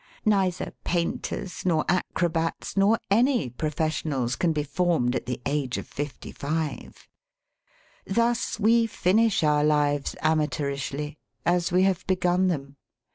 Neither painters, nor acrobats, nor any professionals can be formed at the age of fifty five. Thus we finish our lives amateurishly, as we have begun them.